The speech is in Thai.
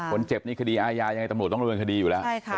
คนเจ็บนี่คดีอาญายังไงตำรวจต้องดำเนินคดีอยู่แล้ว